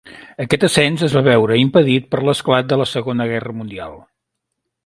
Aquest ascens es va veure impedit per l'esclat de la Segona Guerra Mundial.